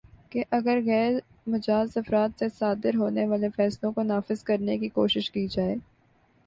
کہ اگرغیر مجاز افراد سے صادر ہونے والے فیصلوں کو نافذ کرنے کی کوشش کی جائے